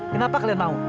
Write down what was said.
kenapa kalian mau